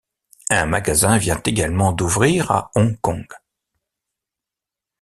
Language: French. Un magasin vient également d'ouvrir à Hong Kong.